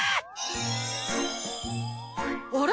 あれ？